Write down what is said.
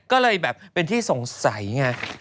เพราะว่าแบบเป็นที่สงสัยไง